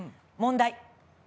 問題。